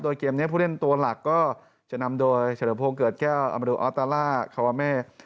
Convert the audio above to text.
โดยเกมนี้ผู้เล่นตัวหลักก็จะนำโดยเฉลิมพงศ์เกิดแก้วอมดูออตาล่าคาวาเม